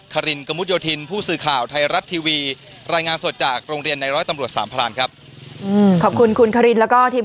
ขะรินกะหมุดโยธินผู้สื่อข่าวไทรัต์ทีวี